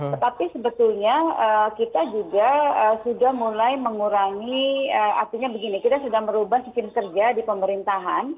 tetapi sebetulnya kita juga sudah mulai mengurangi artinya begini kita sudah merubah sistem kerja di pemerintahan